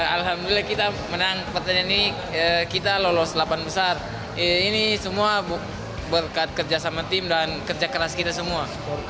alhamdulillah kita menang pertandingan ini kita lolos delapan besar ini semua berkat kerja sama tim dan kerja keras kita semua